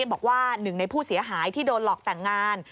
บอกว่าหนึ่งในผู้เสียหายที่โดนหลอกแต่งงาน